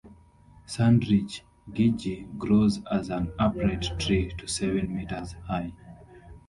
Sandridge Gidgee grows as an upright tree to seven metres high.